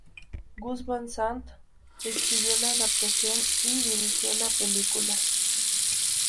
Gus Van Sant escribió la adaptación y dirigió la película.